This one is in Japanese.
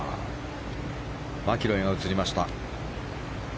マキロイが映りました。